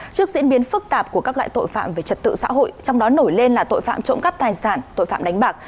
trước diễn biến phức tạp của các loại tội phạm về trật tự xã hội trong đó nổi lên là tội phạm trộm cắp tài sản tội phạm đánh bạc